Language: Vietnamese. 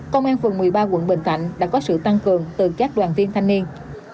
công an phường một mươi ba quận bình thạnh đã có sự tăng cường từ các đoàn viên thanh niên